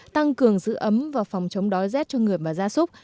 tăng cường giữ ấm và phòng chống đói rét cho người mà ra súc